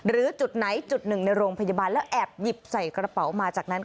จุดไหนจุดหนึ่งในโรงพยาบาลแล้วแอบหยิบใส่กระเป๋ามาจากนั้น